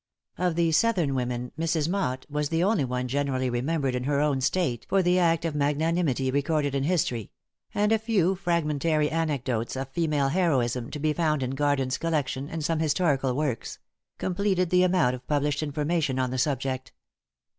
Of the Southern women, Mrs. Motte was the only one generally remembered in her own State for the act of magnanimity recorded in history; and a few fragmentary anecdotes of female heroism, to be found in Garden's collection, and some historical works completed the amount of published information on the subject.